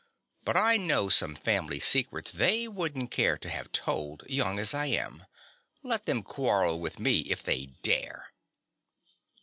But I know some family secrets they wouldn't care to have told, young as I am. Let them quarrel with me if they dare!